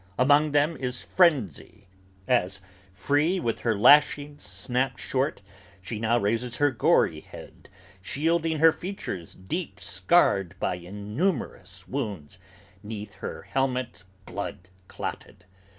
Among them is Frenzy, as, free, with her lashings Snapped short, she now raises her gory head, shielding her features Deep scarred by innumerous wounds 'neath her helmet blood clotted.